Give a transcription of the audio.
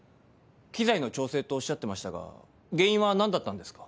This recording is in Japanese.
機材の調整とおっしゃってましたが原因は何だったんですか？